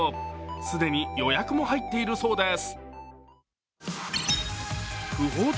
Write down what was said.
既に予約も入っているそうです。